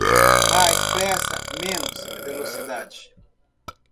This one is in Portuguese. Mais pressa menos velocidade